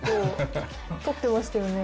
撮ってましたよね。